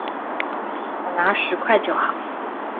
我拿十块就好